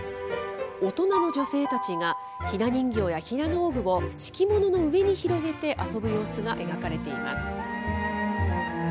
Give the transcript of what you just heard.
大人の女性たちが、ひな人形やひな道具を敷物の上に広げて遊ぶ様子が描かれています。